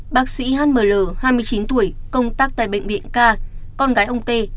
bác sĩ hml hai mươi chín tuổi công tác tại bệnh viện ca con gái ông t